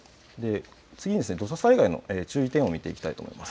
次に土砂災害の注意点を見ていきたいと思います。